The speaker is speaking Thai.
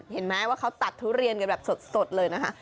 เห็นไหมว่าเขาตัดทุเรียนกันแบบสดเลยนะคะ